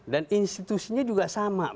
dan institusinya juga sama